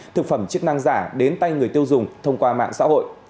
thực phẩm chức năng giả đến tay người tiêu dùng thông qua mạng xã hội